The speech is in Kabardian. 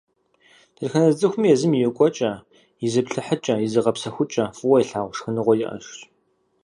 Дэтхэнэ зы цӏыхуми езым и кӏуэкӏэ, и зыплъыхьыкӏэ, и зыгъэпсэхукӏэ, фӏыуэ илъагъу шхыныгъуэ иӏэжщ.